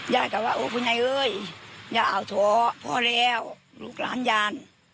กับว่าโอ้คุณยายเอ้ยอย่าเอาท้อพ่อแล้วลูกหลานยาน